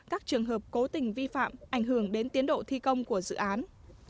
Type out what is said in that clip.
các trường hợp cố tình vi phạm ảnh hưởng đến tiến độ thi công của dự án